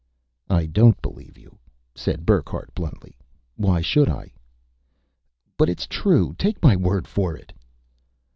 "I don't believe you," said Burckhardt bluntly. "Why should I?" "But it's true! Take my word for it!"